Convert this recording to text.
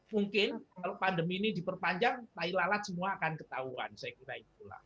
mungkin kalau pandemi ini diperpanjang tai lalat semua akan ketahuan saya kira itulah